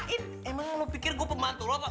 setrikain emang lo pikir gue pembantu lo apa